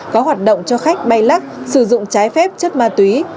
có hoạt động cho khách bay lắc sử dụng trái phép chất ma túy